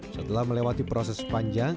setelah melewati proses panjang